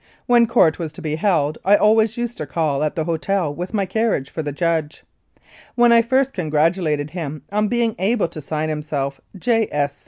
When Court was to be held I always used to call at the hotel with my carriage for the judge. When I first congratulated him on being able to sign himself J.